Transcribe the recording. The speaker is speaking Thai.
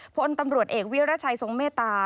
พลตำรวจเอกวิรัชัยทรงเมตตา